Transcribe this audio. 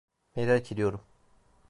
Merak ediyorum.